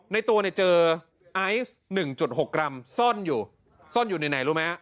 ในตัวเนี่ยเจอไอซ์๑๖กรัมซ่อนอยู่ซ่อนอยู่ในไหนรู้ไหมฮะ